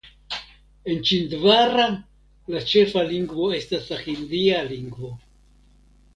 En Ĉindvara la ĉefa lingvo estas la hindia lingvo.